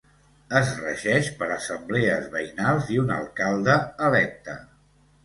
Es regeix per assemblees veïnals i un alcalde electe.